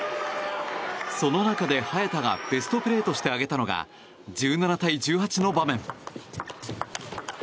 その中で早田がベストプレーとして挙げたのが１７対１８の場面。